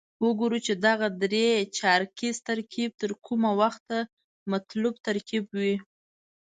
وګورو چې دغه درې چارکیز ترکیب تر کومه وخته مطلوب ترکیب وي.